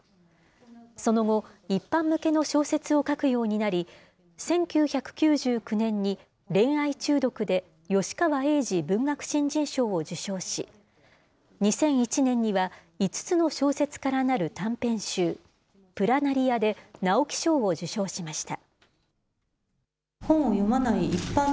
その後、一般向けの小説を書くようになり、１９９９年に恋愛中毒で吉川英治文学新人賞を受賞し、２００１年には５つの小説からなる短編集、プラナリアで直木賞を受賞しました。